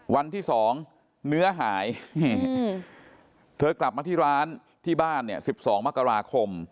วันที่๒เนื้อหายเธอกลับมาที่ร้านที่บ้านเนี่ย๑๒มกราคม